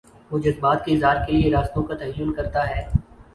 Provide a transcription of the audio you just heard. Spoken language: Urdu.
وہ جذبات کے اظہار کے لیے راستوں کا تعین کرتا ہے۔